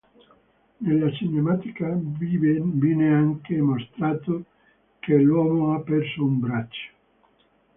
Nella cinematica vine anche mostrato che l'uomo ha perso un braccio.